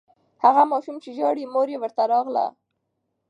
هغه ماشوم چې ژاړي، مور یې ورته راغله.